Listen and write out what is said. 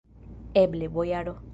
Eble, bojaro!